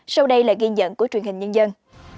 sau đây là ghi nhận của truyền hình nhân dân